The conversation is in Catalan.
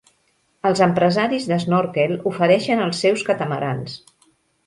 Els empresaris d'esnòrquel ofereixen els seus catamarans.